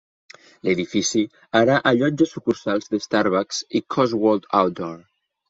L'edifici ara allotja sucursals de Starbucks i Cotswold Outdoor.